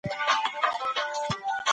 مثبت فکر روغتیا نه دروي.